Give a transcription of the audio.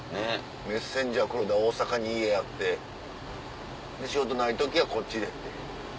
メッセンジャー・黒田大阪に家あってで仕事ない時はこっちで。